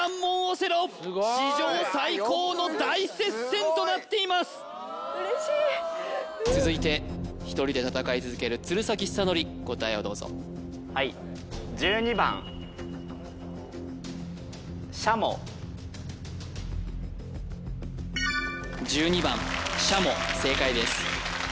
すごい嬉しい続いて１人で戦い続ける鶴崎修功答えをどうぞはい１２番シャモ正解です